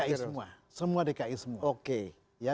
dki semua semua dki semua oke